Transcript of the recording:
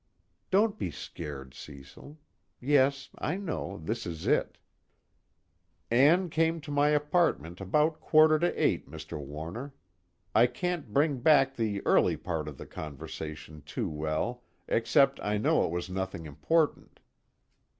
Don't be scared, Cecil. Yes, I know: this is it. "Ann came to my apartment about quarter to eight, Mr. Warner. I can't bring back the early part of the conversation too well, except I know it was nothing important.